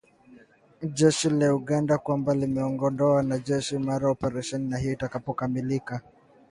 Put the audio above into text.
jeshi la Uganda kwamba lingeondoa wanajeshi mara operesheni hiyo itakapokamilika